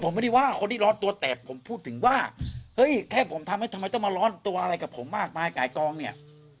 ผมไม่ได้ว่าคนที่ร้อนตัวแตกผมพูดถึงว่าเฮ้ยแค่ผมทำให้ทำไมต้องมาร้อนตัวอะไรกับผมมากมายไก่กองเนี่ย